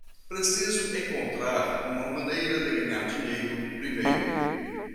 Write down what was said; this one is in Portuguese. Preciso encontrar uma maneira de ganhar dinheiro primeiro.